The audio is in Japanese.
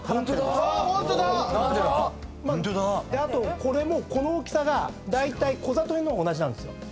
あとこれもこの大きさがこざとへんの方が同じなんです。